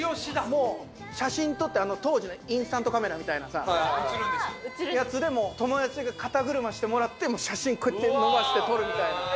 もう写真撮って当時のインスタントカメラみたいなさやつでもう友達が肩車してもらって写真こうやって伸ばして撮るみたいな。